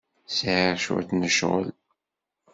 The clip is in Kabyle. Sɛiɣ cwiṭ n ccɣel.